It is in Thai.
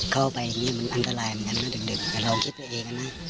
เข้าไปอย่างนี้มันอันตรายเหมือนกันนะเด็กแต่ลองคิดไปเองนะ